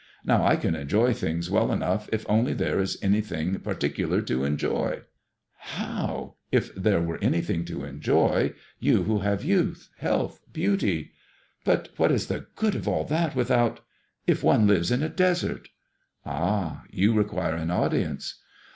Now, I can enjoy things well enough if only there was anything par ticular to enjoy." 26 MADKMOISSLLK IXK. " How I If there were any thing to enjoy I You who have youth, healthy beauty !*'But what is the good of all that without if one lives in a desert ?"Ah I you require an audi ence."